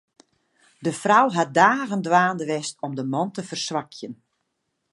De frou hat dagen dwaande west om de man te ferswakjen.